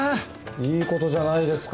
いい事じゃないですか。